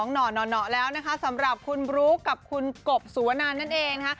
หน่อแล้วนะคะสำหรับคุณบลุ๊กกับคุณกบสุวนันนั่นเองนะคะ